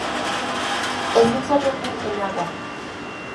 Es insoluble en agua.